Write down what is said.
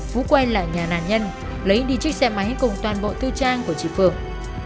vũ quay lại nhà nạn nhân lấy đi chiếc xe máy cùng toàn bộ thư trang của chị phượng